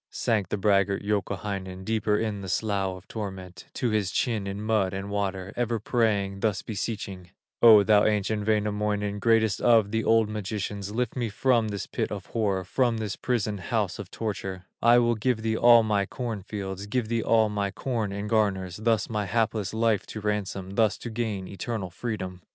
Sank the braggart, Youkahainen, Deeper in his slough of torment, To his chin in mud and water, Ever praying, thus beseeching: "O thou ancient Wainamoinen, Greatest of the old magicians, Lift me from this pit of horror, From this prison house of torture; I will give thee all my corn fields, Give thee all my corn in garners, Thus my hapless life to ransom, Thus to gain eternal freedom."